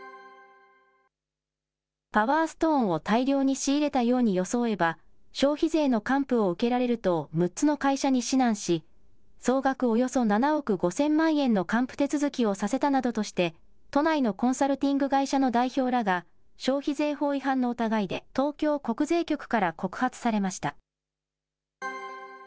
パワーストーンを大量に仕入れたように装えば、消費税の還付を受けられると６つの会社に指南し、総額およそ７億５０００万円の還付手続きをさせたなどとして、都内のコンサルティング会社の代表らが、消費税法違反の疑いで東京国税局から告発されました。